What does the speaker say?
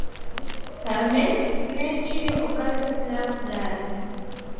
Tamen ne ĉio okazas laŭ plano.